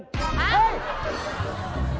เฮ้ย